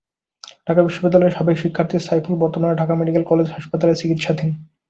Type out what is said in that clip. ঢাকা বিশ্ববিদ্যালয়ের সাবেক শিক্ষার্থী সাইফুল বর্তমানে ঢাকা মেডিকেল কলেজ হাসপাতালে চিকিৎসাধীন।